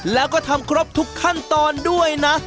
แล้วก็ทำครบทุกขั้นตอนด้วยนะ